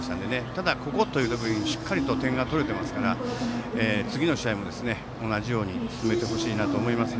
ただ、ここぞというところで点が取れているので次の試合も同じように進めてほしいなと思います。